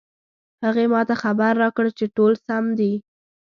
هغې ما ته خبر راکړ چې ټول سم دي